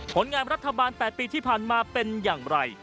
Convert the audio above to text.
ผลงานรัฐบาล๘ปีที่ผ่านมาเป็นอย่างไร